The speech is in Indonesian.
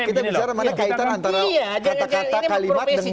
kita bicara mana kaitan antara kata kata kalimat dengan